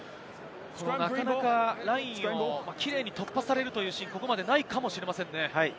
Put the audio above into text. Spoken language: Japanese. なかなかラインをキレイに突破されるシーンが、ここまでないかもしれませんね。